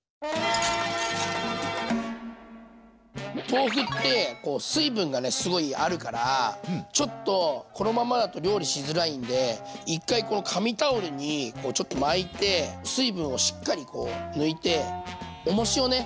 豆腐ってこう水分がねすごいあるからちょっとこのままだと料理しづらいんで一回この紙タオルにこうちょっと巻いて水分をしっかりこう抜いておもしをね